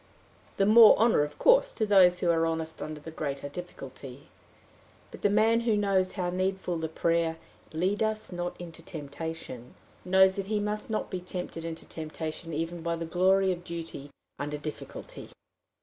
The more honor, of course, to those who are honest under the greater difficulty! But the man who knows how needful the prayer, "Lead us not into temptation," knows that he must not be tempted into temptation even by the glory of duty under difficulty.